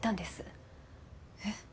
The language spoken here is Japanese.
えっ？